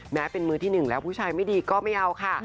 แม้เป็นมือที่หนึ่งแล้วผู้ชายไม่ดีก็ไม่เอาค่ะ